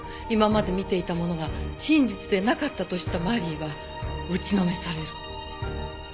今まで見ていたものが真実でなかったと知ったマリーは打ちのめされる。